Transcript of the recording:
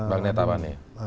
bang neta tadi